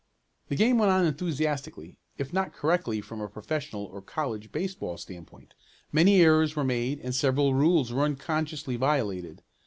The game went on enthusiastically, if not correctly from a professional or college baseball standpoint. Many errors were made and several rules were unconsciously violated.